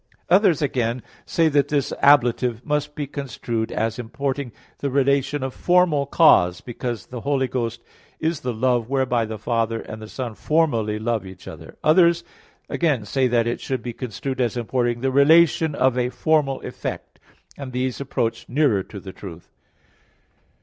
Others, again, say that this ablative must be construed as importing the relation of formal cause, because the Holy Ghost is the love whereby the Father and the Son formally love each other. Others, again, say that it should be construed as importing the relation of a formal effect; and these approach nearer to the truth.